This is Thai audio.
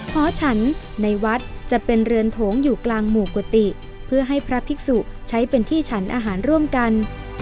หอฉันในวัดจะเป็นเรือนโถงอยู่กลางหมู่กุฏิเพื่อให้พระภิกษุใช้เป็นที่ฉันอาหารร่วมกัน